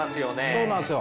そうなんですよ。